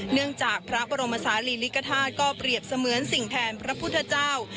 เนื่องจากพระบรมศาลีลิกธาตุก็เปรียบเสมือนสิ่งแทนพระพุทธเจ้า